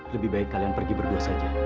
lebih baik kalian pergi berdua saja